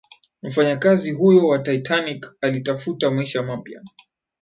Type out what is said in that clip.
mfanyakazi huyo wa titanic alitafuta maisha mapya